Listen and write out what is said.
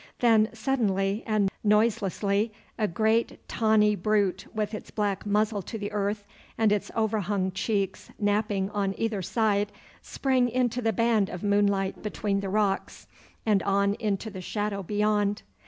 Then suddenly, and noiselessly, a great tawny brute, with its black muzzle to the earth, and its overhung cheeks napping on either side, sprang into the band of moonlight between the rocks, and on into the shadow beyond.